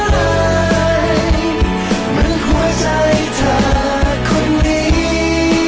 เหมือนหัวใจเธอคนนี้